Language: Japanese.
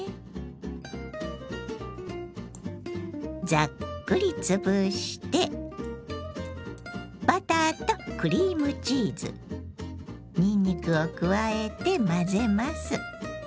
ザックリつぶしてバターとクリームチーズにんにくを加えて混ぜます。